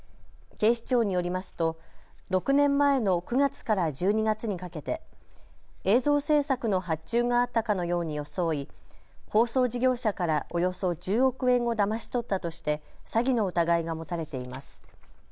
警視庁によりますと６年前の９月から１２月にかけて映像制作の発注があったかのように装い放送事業者からおよそ１０億円をだまし取ったとして詐欺の疑いが持たれています。